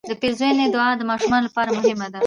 د پیرزوینې دعا د ماشومانو لپاره مهمه ده.